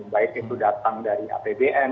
baik itu datang dari apbn